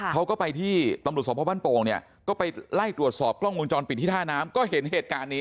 เขาก็ไปที่ตำรวจสมภาพบ้านโป่งเนี่ยก็ไปไล่ตรวจสอบกล้องวงจรปิดที่ท่าน้ำก็เห็นเหตุการณ์นี้